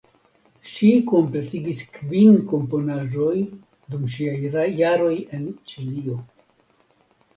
Ŝi kompletigis kvin komponaĵoj dum ŝiaj jaroj en Ĉilio.